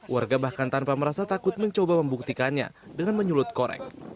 warga bahkan tanpa merasa takut mencoba membuktikannya dengan menyulut korek